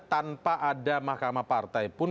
tanpa ada mahkamah partai pun